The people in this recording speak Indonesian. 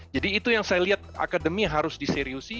jadi itu yang saya lihat akademi harus diseriusi